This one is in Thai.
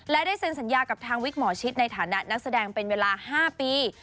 และได้เซ็นสัญญากับทางวิกหมอชิดในฐานะนักแสดงเป็นเวลา๕ปี